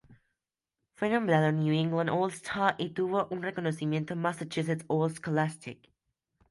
Fue nombrado "New England All-Star" y tuvo un reconocimiento "Massachusetts All-Scholastic".